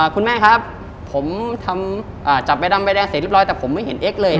คุณแม่ครับผมทำจับใบดำใบแดงเสร็จเรียบร้อยแต่ผมไม่เห็นเอ็กซเลย